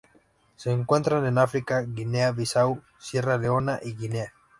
Se encuentran en África: Guinea Bissau, Sierra Leona y Guinea.